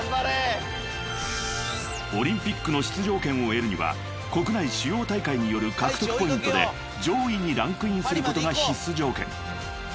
［オリンピックの出場権を得るには国内主要大会による獲得ポイントで上位にランクインすることが必須条件］